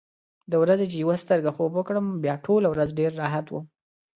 د ورځې چې یوه سترګه خوب وکړم، بیا ټوله ورځ ډېر راحت وم.